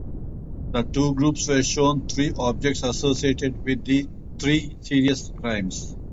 The two groups were shown three objects associated with three serious crimes.